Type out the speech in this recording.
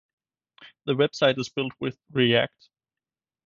The website is built with React